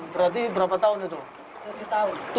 berarti berapa tahun itu